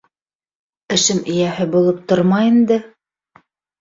Эшем эйәһе булып торма инде.